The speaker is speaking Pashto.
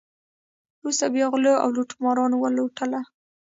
وروسته بیا غلو او لوټمارانو ولوټله.